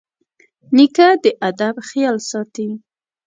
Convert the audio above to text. نیکه د ادب خیال ساتي.